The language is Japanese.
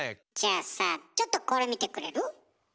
じゃあさちょっとこれ見てくれる？